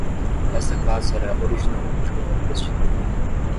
Esta classe era originalmente um ônibus de turnê.